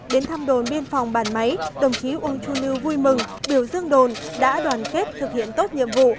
đến thăm đồn biên phòng bàn máy đồng chí uông chu lưu vui mừng biểu dương đồn đã đoàn kết thực hiện tốt nhiệm vụ